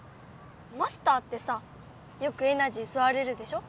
マスターってさよくエナジーすわれるでしょ。